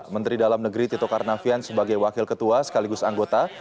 menteri dalam negeri tito karnavian sebagai wakil ketua sekaligus anggota